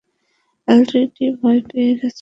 Already ভয় পেয়ে গেছো?